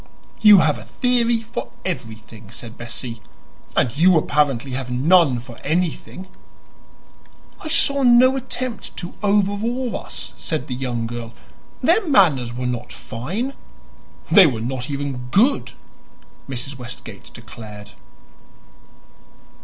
"You have a theory for everything," said Bessie. "And you apparently have none for anything." "I saw no attempt to 'overawe' us," said the young girl. "Their manners were not fine." "They were not even good!" Mrs. Westgate declared.